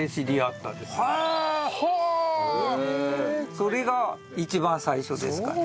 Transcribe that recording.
それが一番最初ですかね。